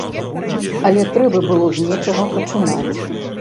Але трэба было з нечага пачынаць.